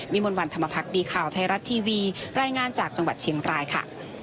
มนต์วันธรรมพักดีข่าวไทยรัฐทีวีรายงานจากจังหวัดเชียงรายค่ะ